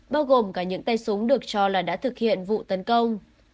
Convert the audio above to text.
bao gồm cả những tay súng được cho là đã thực hiện vụ tấn công